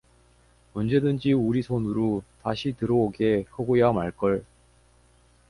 언제든지 우리 손으루 다시 들어오게 허구야 말걸.